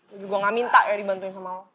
gue juga nggak minta ya dibantuin sama lo